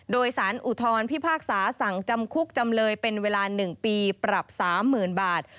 โดยสารอุทธรพิพากษาสั่งจำคุกจำเลยเป็นเวลา๑ปีปรับ๓๐๐๐บาท